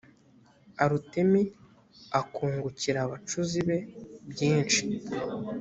arutemi akungukira abacuzi be byinshi